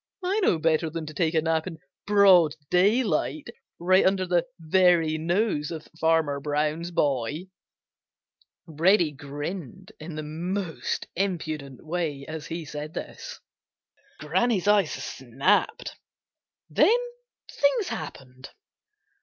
I know better than to take a nap in broad daylight right under the very nose of Farmer Brown's boy." Reddy grinned in the most impudent way as he said this. Granny's eyes snapped. Then things happened.